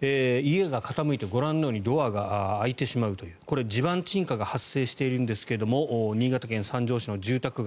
家が傾いて、ご覧のようにドアが開いてしまうというこれ、地盤沈下が発生しているんですが新潟県三条市の住宅街